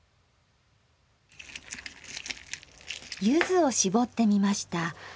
ゆずをしぼってみました。